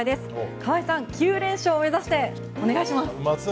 川合さん、９連勝を目指してお願いします。